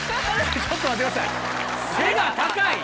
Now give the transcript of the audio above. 背が高い。